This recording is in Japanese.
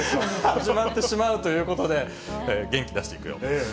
始まってしまうということで、元気出していくよ。